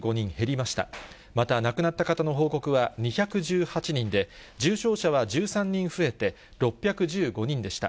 また亡くなった方の報告は２１８人で、重症者は１３人増えて、６１５人でした。